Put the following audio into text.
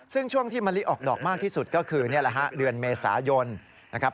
ซึ่งช่วงที่มะลิออกดอกมากที่สุดก็คือนี่แหละฮะเดือนเมษายนนะครับ